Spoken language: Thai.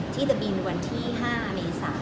ที่จะบินวันที่๕เมษา